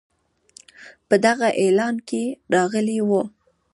په دغه اعلان کې راغلی وو.